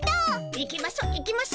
行きましょ行きましょ。